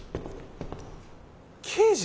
刑事！